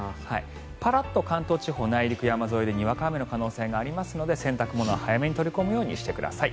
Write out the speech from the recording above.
パラッと関東地方内陸山沿いでにわか雨の可能性がありますので洗濯物は早めに取り込むようにしてください。